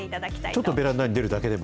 ちょっとベランダに出るだけでも？